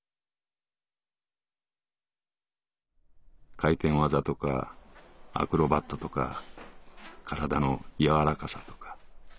「回転技とかアクロバットとか身体の柔らかさとか。